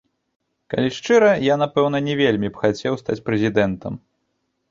Калі шчыра, я, напэўна, не вельмі б хацеў стаць прэзідэнтам.